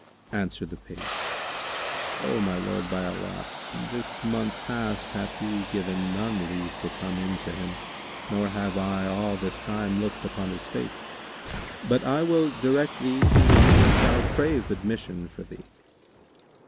Answered the page, "O my lord, by Allah, this month past hath he given none leave to come in to him, nor have I all this time looked upon his face; but I will direct thee to one who shall crave admission for thee.